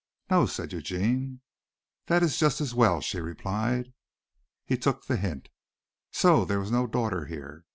"No," said Eugene. "That is just as well," she replied. He took the hint. So there was no daughter here.